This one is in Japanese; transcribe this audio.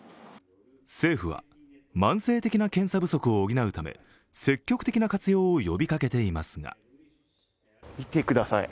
政府は慢性的な検査不足を補うため積極的な活用を呼びかけていますが見てください